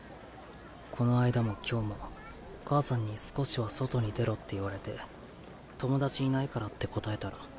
この間も今日も母さんに少しは外に出ろって言われて友達いないからって答えたら。